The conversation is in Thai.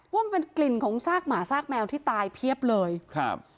ว่ามันเป็นกลิ่นของซากหมาซากแมวที่ตายเพียบเลยครับ